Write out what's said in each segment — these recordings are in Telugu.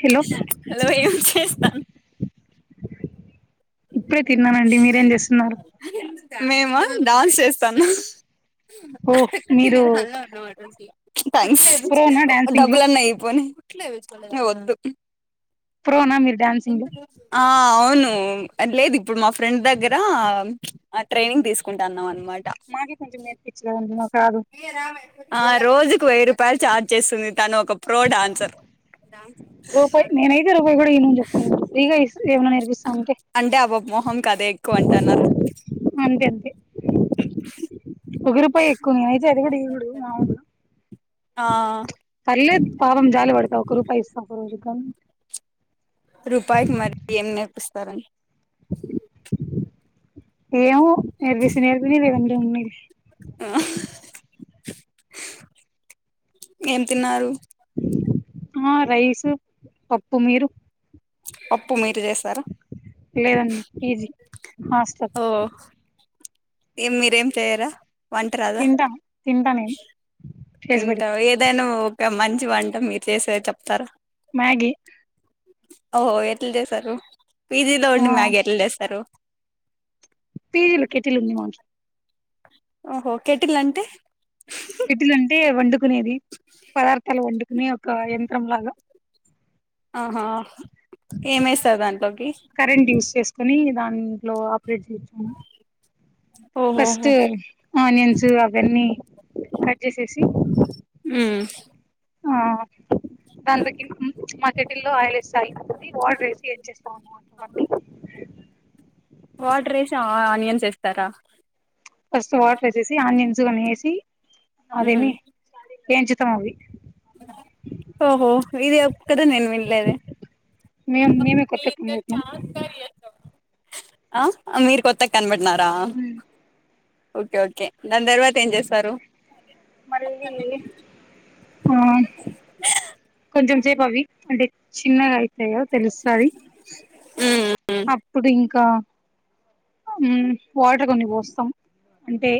హలో హలో ఏం చేస్తాన్ ఇప్పుడే తిన్నానండి మీరేం చేస్తున్నారు మేమా డాన్స్ చేస్తాన్న హో మీరు థ్యాంక్స్ ప్రోనా డాన్సింగ్ లో డబ్బులన్న అయిపోని వద్దు ప్రోనా మీరు డ్యాన్సింగ్‌లో ఆ అవును లేదు ఇప్పుడు మా ఫ్రెండ్ దగ్గర ఆ ట్రైనింగ్ తీసు కుంటన్నాం అనమాట మాకే కొంచెం నేర్పించలేదండి మాకు రాదు ఆ రోజుకు వెయ్యి రూపాయలు చార్జ్ చేస్తుంది తను ఒక ప్రో డాన్సర్ డ్యాన్స్ రూపాయి నేనైతే రూపాయి కూడా ఇయను చెప్తాను ఫ్రీగా ఇస్తే ఏమన్నా నేర్పిస్తా అంటే అంటే అ పాప మొహంకి అదే ఎక్కువ అంటన్నారా అంతే అంతే మ్మ్ ఒకరూపాయి ఎక్కువ నేనైతే అది కూడా ఇవ్వకుడాదు మామూలుగా ఆ పర్లేదు పాపం జాలిపడతా ఒక రూపాయి ఇస్తా ఒకరోజు గాని రూపాయికిి మరి ఏం నేర్పిస్తారండి ఏమో నేర్పిస్తే నేర్పిని లేదంటే ఉన్నిలే ఆ ఏం తిన్నారు ఆ రైసూ పప్పు మీరు అప్పు మీరే చేశారా లేదండి పీజీ హాస్టల్ ఏ మీరేం చెయారా వంటరాదా తింటా తింటా నేను చేసి పెడితే తింటావు ఏదైనా ఒక మంచి వంట మీరు చేసేది చెప్తారా మ్యాగి ఓహో ఎట్ల చేశారు పీజీలో ఉండే ఆ మ్యాగీ ఎట్ల చేస్తారు పీజీలో కేట్టిల్ ఉంది మాకి ఓహో కేెటిల్ అంటే కేటిల్ అంటే వండుకునేది పదార్థాలు వండుకునే ఒక యంత్రం లాగా ఆహా ఏమేస్తారు దాంట్లోకి కరెంట్ యూస్ చేసుకొని దాంట్లో ఆపరేట్ చేస్తాను ఫస్ట్ ఓహోహో ఆనియన్స్ అవన్నీ కట్ చేసేసి ఉమ్మ్ ఆ దానిలోకి మాకేటిలో ఆయిల్ ఏస్తాయ్ ఇది వాటర్ ఎ ఏం చేస్తా ఉన్నారు [inaudible] అండి వాటర్ వేసి ఆ ఆనియన్స్ ఏస్తారా ఫస్ట్ వాటర్ ఏసేసి ఆనియన్స్ కొన్ని వేసి ఉమ్ అదేమి ఎంచుతం అవి ఓహో ఇది ఏ కదా నేను వినలేదే మేము మేమే కొత్త పెట్టినాం ఆ మీరు కొత్త గా కనిపెట్టినార ఓకే ఓకే దాని తర్వాత ఏం చేస్తారు మళ్ళీ ఆ కొంచెం సేపు అవి అంటే చిన్నగా అయితాయి కదా తెలుస్తది మ్మ్ అప్పుడు ఇంకా మ్మ్ వాటర్ కొన్ని పోస్తాం అంటే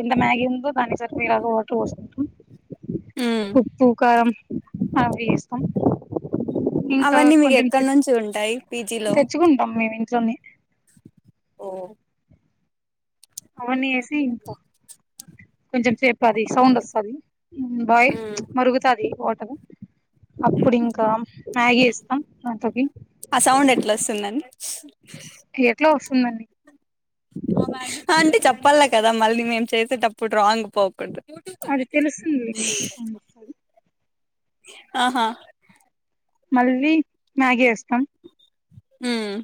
ఎంత మ్యాగీ ఉందో దానికి సరిపోయే లాగా వాటర్ పోసుకుంటాం ఉమ్ ఉప్పు కారం అవి ఏస్తాం ఇంకా అవన్నీ మీకు కొంచెం ఎక్కడ నుంచి ఉంటాయి పీజీలో తెచ్చుకుంటాం మేము ఇంట్లోనే ఓ అవన్నీ వేసి ఇంకా కొంచెం సేపు అది సౌండ్ వస్తది బాయ మరుగుతది వాటరు అప్పుడు ఇంకా మ్యాగీ ఏస్తాం దాంట్లోకి ఆ సౌండ్ ఎట్లా వస్తుందండి ఎట్లా వస్తుందండి అంటే చెప్పాల కదా మళ్ళీ మేము చేసేటప్పుడు రాంగ్ పోకూడదు అది తెలుస్తుందిలె మీకే సౌండ్ వస్తది ఆహా మళ్ళీ మ్యాగీ వేస్తాం మ్మ్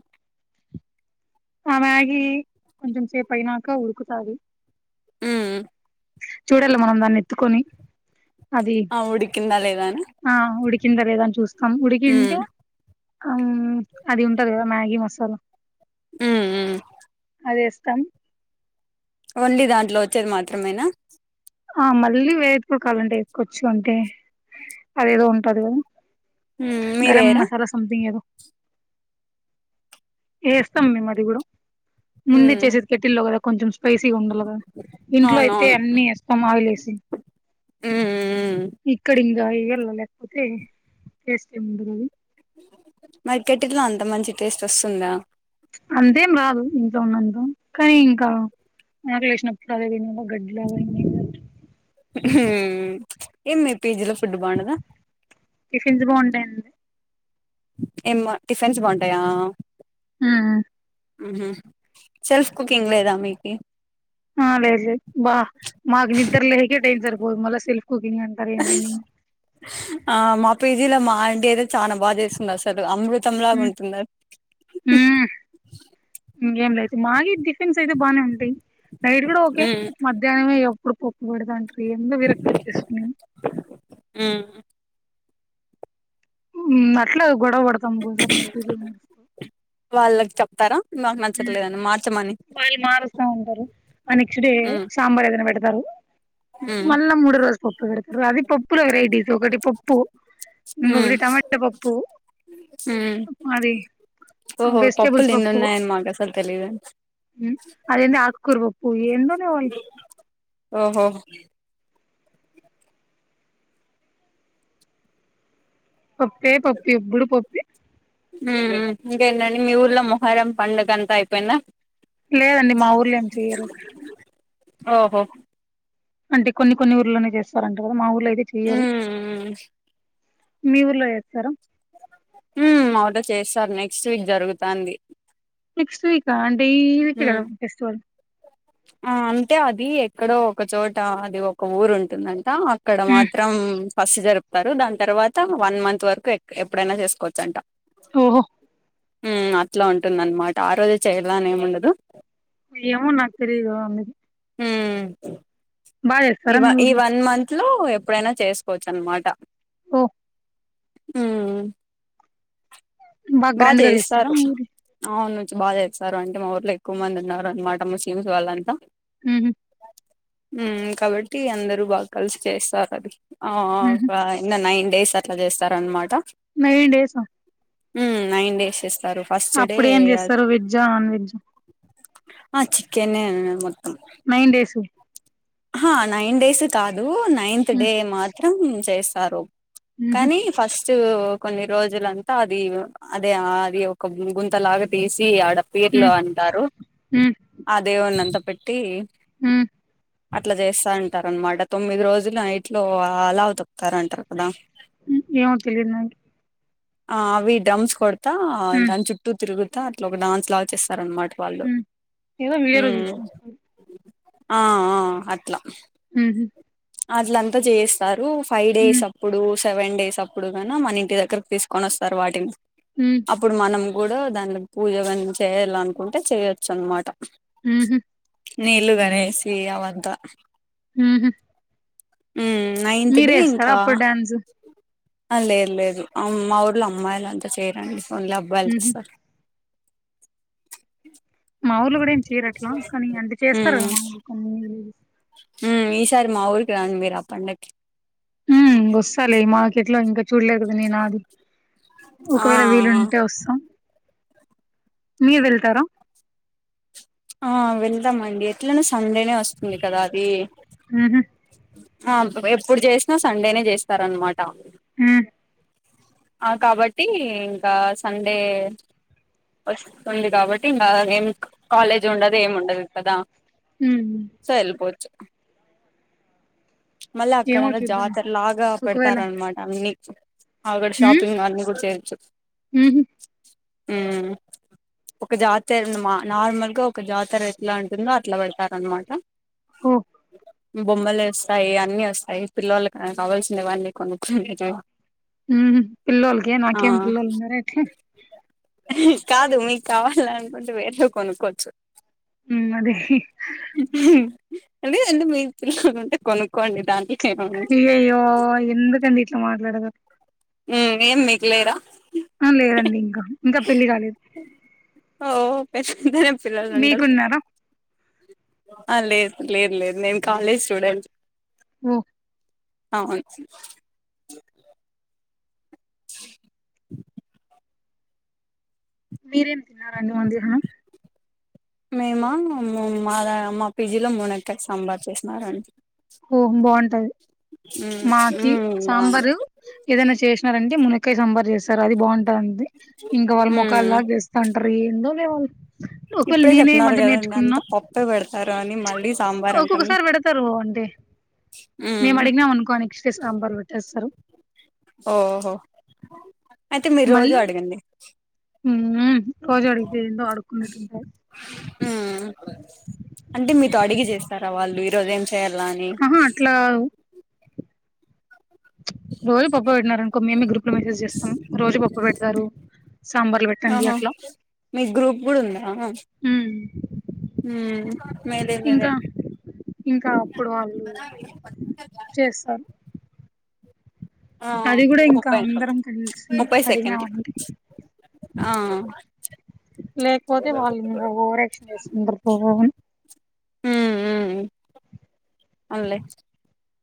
ఆ మ్యాగీ కొంచం సేపైనాక ఉడుకుతాది మ్మ్ చూడాలి మనం దాన్ని ఎత్తుకొని అది ఆ ఉడికింద లేదా అని ఆ ఉడికింద లేద అని చూస్తాం హ్మ్ ఉడికింటే ఆమ్ అది ఉంటది కదా మ్యాగీ మసాలా మ్మ్ మ్మ్ మ్మ్ అది ఏస్తాం ఓన్లీ దాంట్లో వచ్చేది మాత్రమేనా ఆ మళ్ళీ వేయొచ్చు కాలంటే వేసుకోచ్చు అంటే అదేదో ఉంటది కదా హ్మ్ గరం మీరేయరా మసాలా సథింగ్ ఏదో వేస్తాం మేము అది కూడా ముందే హ్మ్ చేసేది కెట్టిల్లో కదా కొంచెం స్పైసీగా ఉండల్ల కదా ఇంట్లో అయితే అవునవును అన్ని ఏస్తాం ఆయిల్ ఏసీ మ్మ్ మ్మ్ మ్మ్ ఇక్కడ ఇంగ ఎయ్యాళ్ళ లేకపోతే టేస్ట్ ఏమి ఉండదు అది మరి కెటిల్ లో అంత మంచి టేస్ట్ వస్తుందా అంతేం రాదు ఇంట్లో ఉన్నంత కానీ ఇంకా ఆకలి ఏసినప్పుడు అదే తినాలా గడ్డి లాగా [unintelligible] ఏమి మీ పి జి లో ఫుడ్ బాగుండద టిఫిన్స్ బాగుంటాయండి ఏం బా టిఫిన్స్ బాగుంటాయా ఆ అ మ్ హు సెల్ఫ్ కుకింగ్ లేదా మీకి అ లేదు లేదు బా మాకు నిద్ద్రలేకే టైమ్ సరిపోదు మల్ల సెల్ఫ్ కుకింగ్ అంట ఆ మా పేజీల మా ఆంటీ అయితే చాలా బాగా చేస్ అసలు అమృతంలాగా ఉంటుంది మ్ ఇంకేం లే అయితే మాగే డిఫెన్స్ అయితే బానే ఉంటాయి నైట్ కూడా ఓకే హ్మ్ మధ్యాహ్నమే ఎప్పుడు పప్పు పెడుతంటీ ఎన్టనే విరక్తి వచ్చేస్తుంది మ్ మ్ అట్ల గొడవ పడతాంకోసార్ మద్య లోనే వాళ్ళకి చెప్ తార నాకు న మ్ వాళ్ళు మారుస్తా ఉంటారు ఆ నెక్స్డే ఉమ్ సాంబార్ ఏదైనా పెడుతారు ఉమ్ మళ్ళా మూడో రోజు పప్పు పెడుతారు అది పప్పుల వెరైటీస్ ఒకటి పప్పు ఉమ్ ఇంగోకటి టమాట పప్పు ఉమ్ మరి వెజిటేబుల్స్ పప్పు అంత లేదండి అదేంది అకుకూర పప్పు ఎందోనే వాల్ ఓహో పప్పే పప్పు ఎప్పుడు పప్పే మ్ మ్ ఇంకేంటండి మీ ఊర్లో మొహరం పండుగ అంతా అయిపోయిందా లేదండి మా ఊర్లో ఏం చేయలేదు ఓహో అంటే కొన్ని కొన్ని ఊర్లనే చేస్తారంటారు కదా మా ఊర్లో అయితే చెయరు ఉమ్ ఉమ్ మీ ఊర్లో చేస్తారా మ్ మా ఊర్లో చేస్తారు నెక్స్ట్ వీక్ జరుగుతంది నెక్స్ట్ వీకా అంటే ఈ ఈ వికే కద ఉమ్ ఫెస్టివల్ ఆ అంటే అది ఎక్కడో ఒక చోట అది ఒక ఊరు ఉంటుందంట అక్కడ హ్మ్. మాత్ త్రం ఫస్ట్ జరుపుతారు దాని తర్వాత వన్ మంత్ వరకు ఎప్పుడైనా చేసుకోవచ్చు అంట ఓహో మ్ అట్లా ఉంటుందన్నమాట ఆ రోజె చేయాలని ఏముండదు ఏమొ నక్ తెలీయాదు అవన్నీ మ్ ఈ చేస్తారా మీ ఈ ఊర్లో వన్ మంత్ లో ఎప్పుడైనా చేసుకోవచ్చు అనమాట ఓ మ్ బాగా గ్రాండ్ గా చేస్తారా చేయిస్తారు మీ ఊర్లో అవును నుంచ్ బాగా చేస్తారు అంటే మా ఊర్లో ఎక్కువ మంది ఉన్నారు అనమాట మూస్లింస్ వాళ్ళంతా మ్ హు మ్ కాబట్టి అందరు బాగా కలిసి చేస్తారు అది ఆ ఉహు ఆ ఇంగ నైన్ డేస్ అట్లా చేస్తారన్నమాట నైన్ డేస మ్ నైన్ డేస్ చేస్తారు ఫస్ట్ డే అప్పుడు ఏం చేస్తారు వెజ్జా నాన్ వెజ్ ఆ చికెనే మొత్తం నైన్ డేసు అహ నైన్ డేస్ కాదు నైన్త్ డే మాత్రం చేస్తారు ఉమ్ కనీ ఫస్ కొన్ని రోజులంతా అది అదే ఆది ఒక గుంతలాగా తీసి ఆడ పీర్లో అంటారు ఉమ్ ఆ దేవున్నంత పెట్టీ ఉమ్ అట్లా జేస్తా అంటారనమాట తొమ్మిది రోజులు ఇట్లో అలావు తొక్కుతారంటారు కదా ఏమో తెలిదు నడి ఆ అవి డమ్స్ కొడ్తా ఉమ్ దన్ చుట్టూ తిరుగు తా అట్లా ఒక డాన్స్ లాగా చేస్తారన్నమాట వాళ్ళు ఉమ్ ఏదో వీడియోలో చూసిన ఒకసారి ఆ అ అట్ల ఉహు అట్లంత జేస్తారు ఫైవ్ ఉమ్ డేస్ అప్పుడూ సెవెన్ డేస్ అప్పుడు గన మన ఇంటి దగ్గరకి తీస్కోని ఒస్తారు వాటిని ఉమ్ అప్పుడు మనం గుడా దాన్ట్లకు పూజగని చేయాలనుకుంటే చేయచ్చు అనమాట ఉహు నీళ్లు గణేసి అవంత ఉహు ఉమ్ నైన్త్ మీరు డే వేస్తారా ఇంకా అప్పుడు డ్యాన్స్ అ లేదు లేదు అమ్ మా ఊర్ళ అమ్మాయిలంతా చేయరండి ఒన్లీ అబ్బాయిలు చూస్తారు మాఊలు గుడా ఏం చేయరట్లా కానీ అంత చేస్తారు కదా ఉమ్ మామలు కొన్ని ఉమ్ ఈసారి మా ఊర్కి రాండ్ మీరా ఆ పండక్కి ఇ ఒస్తాలె ఈ మార్కెట్ లో ఇంకా చూడలేదు గదా నేను అది ఆ ఒకవేళ వీలుంటే ఒస్తా మీరు వెళ్తరా ఆ వెళ్దామండి ఎట్లనా సండేనే ఒస్తుంది కదా అది ఉహు అ ఎప్పుడు జీష్నా సండేనే జేస్తారనమాట ఉమ్ ఆ కాబట్టి ఇంకా సండే ఒస్తుంది కాబట్టి ఇం బ ఏం కాలేజ్ ఉండదు ఏమ్ ఉండదు కదా ఉమ్ సో వెల్పోచ్చు మళ్ళ ఏమో అక్కడంత చూద్దాం జాతర లాగా ఒకవేళ పెడ్తారనమాట అన్నీ ఆగడ ఉమ్ షాపింగ్ మాళని కూడ చేయచ్చు ఉహు ఉమ్ ఒక జాతర మా నార్మల్గా ఒ క జాతర ఎట్లా ఉంటుందో అట్లా పెడ్తారనమాట ఓ బొమ్మలేస్ తాయి అన్ని ఒస్తాయి పిల్లలు కావాల్సినవన్నీ కొనుక్కనే ఉహు పిల్లోలకే ఆ నాకేం పిల్లోలు ఉన్నారా ఎట్లా కాదు మీకావాలనుకుంటే వేరే కొనుక్కోచ్చు ఉమ్ అదే అదే అండి మీ పిల్లలుంటే కొనుక్కోండి దానికి అయ్యయ్యో ఎందుంకండీట్ల మాట్లాడ్తరు ఉమ్ ఏం మీక్ లేరా అ లేదండి ఇంకా ఇంక పెళ్లి కాలేదు ఓ ఒకే పిల్లల్లుండరు మీకున్నారా ఆ లేద్ లేద్ లేద్ నేను కాలేజ్ స్టూడెంట్ ఓ అవున్ మీరేం తిన్నారండి మధ్యాహనం మేమా మామ్ మా మా పీజీలో మునక్కై సాంబార్ చేసినారండి ఓహ్ బాంటాది ఉమ్ మాకి ఉమ్ సాంబారు బాగుంది ఏదైనా చేస్ నారంటే మునక్కయి సాంబార్ చేస్తారు అది బాంటదమ్ది ఇంకా వాళ్ళ మొ ఉమ్ ఒకలా చేస్తాంటారు ఏందో లే వాళ్ళు ఒక్ వేళ నేనే వంట నేర్చుకున్నా త పెడతారాని మళ్ళీ సాంబార్ అంటాం ఒక్కొక్కసారి పెడతారు అంటే మేము ఉమ్ అడిగినాం అనుకోని నెక్స్ట్ డే సాంబార్ పెట్టేస్తారు ఓహో అయితే మీర్ రోజు అడగండి ఊ రోజు అడుగితే ఎందో అడుకున్నట్టు ఉంటాయి ఊ అంటే మీతో అడిగి చేస్తారా వాళ్ళు ఈరోజు ఏం కేరళ అని ట్లావు రోజు పప్పు పెట్నారనుకో మేమే గ్రూప్ లో మెసేజ్ చేస్తం రోజు పప్పు పెడతారు సాంబార్లు పెట్టండి అట్లా గుడుంద మ్మ్ హ్మ్ మెలైనదే ఇంకా ఇంకా అప్పుడు వాళ్ళు చేస్తారు ఆ అది కూడా ఇంకా ముప్పై అందరం కలిసి ముప్పై సెకండ్ కీ అడిగినామంటే ఆ లేక్ పోతే వాళ్ళు ఇంకా ఓవరాక్షన్ చేసుందురు పోని హూ హు అల్లే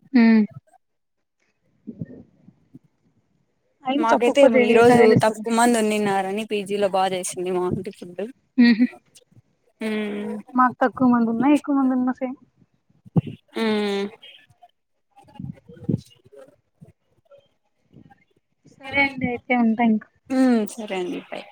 హు మాకైతే ఇం ఈ రోజు తక్కువ్ మంది ఉంన్నిన్నారని పీజీ లో బా చేసింది మా ఆంటీ ఫుడ్ ఊహు ఉమ్ మాక్ తక్కువ మందున్నా ఎక్కువ మందున్నా సేమ్ ఊ సరే అండి అయితే ఉంటా ఇంకా ఊ సరే అండి బాయ్